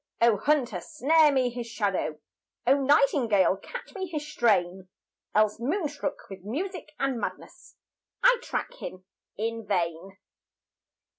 O Hunter, snare me his shadow! O Nightingale, catch me his strain! Else moonstruck with music and madness I track him in vain!